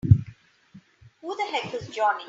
Who the heck is Johnny?!